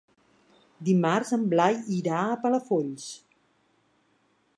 Dimarts en Blai irà a Palafolls.